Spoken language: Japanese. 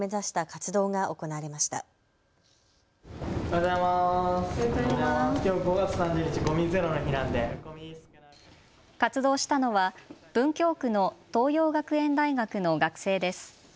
活動したのは文京区の東洋学園大学の学生です。